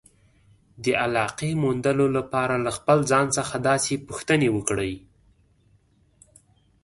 د علاقې موندلو لپاره له خپل ځان څخه داسې پوښتنې وکړئ.